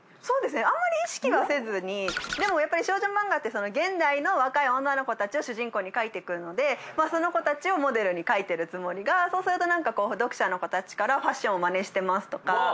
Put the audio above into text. そうですねあんまり意識はせずにでもやっぱり少女マンガって現代の若い女の子たちを主人公に描いてるのでその子たちをモデルに描いてるつもりがそうすると読者の子たちからファッションをマネしてますとか。